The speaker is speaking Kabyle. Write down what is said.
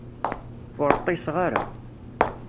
Ur ṭṭiṣeɣ ara.